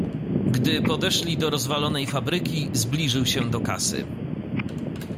"Gdy podeszli do rozwalonej fabryki, zbliżył się do kasy."